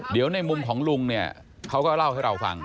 เดี๋ยวในมุมของลุงเนี่ยเขาก็เล่าให้เราฟัง